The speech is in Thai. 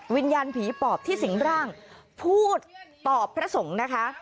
วิญญาณผีปอบที่สิงร่างพูดตอบพระสงฆ์นะคะ